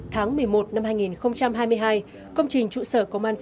tháng một mươi một năm hai nghìn hai mươi hai công trình trụ sở công an xã thành đức